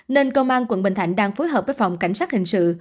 nên công an tp hcm đang phối hợp với phòng cảnh sát hình sự